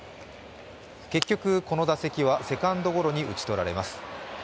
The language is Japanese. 結局、この打席はセカンドゴロに打ち取られます。